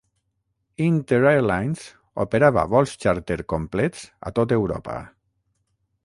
Inter Airlines operava vols xàrter complets a tot Europa.